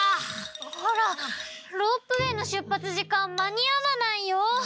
ほらロープウエーのしゅっぱつじかんまにあわないよ！